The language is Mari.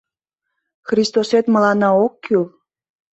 Христосет мыланна ок кӱл.